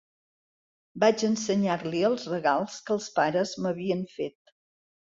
Vaig ensenyar-li els regals que els pares m'havien fet.